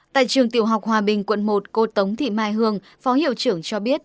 tại trường tiểu học hòa bình quận một cô tống thị mai hương phó hiệu trưởng cho biết